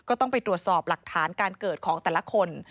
ก็ต้องไปตรวจสอบหลักฐานการเกิดของแต่ละคน